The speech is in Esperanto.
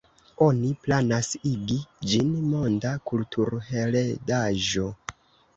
Oni planas igi ĝin Monda kulturheredaĵo.